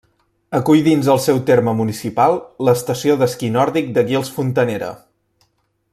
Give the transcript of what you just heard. Acull dins el seu terme municipal l'estació d'esquí nòrdic de Guils Fontanera.